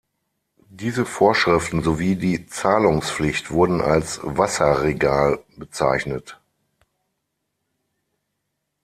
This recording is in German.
Diese Vorschriften sowie die Zahlungspflicht wurden als Wasserregal bezeichnet.